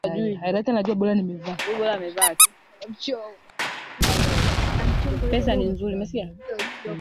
Wacha nikuhisi ndani ndani